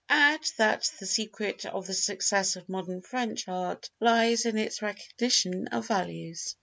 Add that the secret of the success of modern French art lies in its recognition of values.